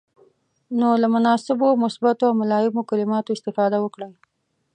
نو له مناسبو، مثبتو او ملایمو کلماتو استفاده وکړئ.